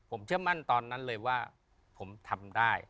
ผมเชื่อมั่นตอนนั้นเลยว่าผมทำได้